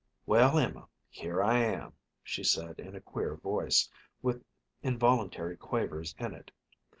"Well, Emma, here I am," she said in a queer voice, with involuntary quavers in it.